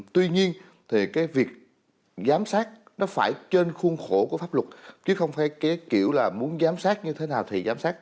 tuy nhiên thì cái việc giám sát nó phải trên khuôn khổ của pháp luật chứ không phải cái kiểu là muốn giám sát như thế nào thì giám sát